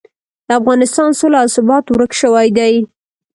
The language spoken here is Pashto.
د افغانستان سوله او ثبات ورک شوي دي.